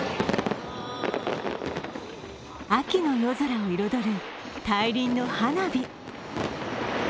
秋の夜空を彩る大輪の花火。